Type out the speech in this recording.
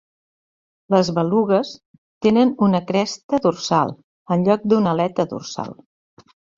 Les belugues tenen una cresta dorsal en lloc d'una aleta dorsal.